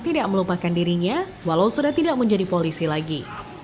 tidak melupakan dirinya walau sudah tidak menjadi polisi lagi